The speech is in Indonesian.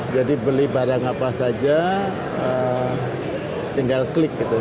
jadi beli barang apa saja tinggal klik gitu